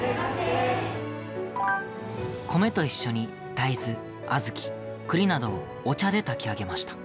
米と一緒に大豆、小豆、栗などをお茶で炊き上げました。